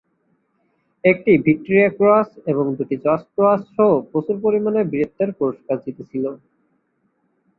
একটি Victoria Cross এবং দুটি জর্জ ক্রস সহ প্রচুর পরিমাণে বীরত্বের পুরস্কার জিতেছিল।